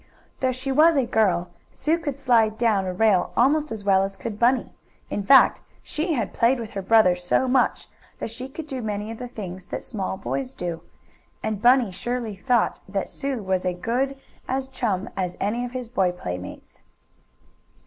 Though she was a girl Sue could slide down a rail almost as well as could Bunny. In fact, she had played with her brother so much that she could do many of the things that small boys do. And Bunny surely thought that Sue was as good a chum as any of his boy playmates.